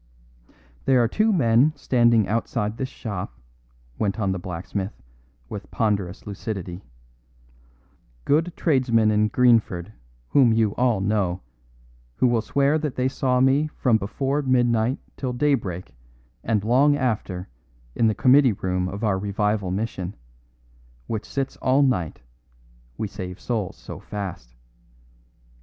"There are two men standing outside this shop," went on the blacksmith with ponderous lucidity, "good tradesmen in Greenford whom you all know, who will swear that they saw me from before midnight till daybreak and long after in the committee room of our Revival Mission, which sits all night, we save souls so fast.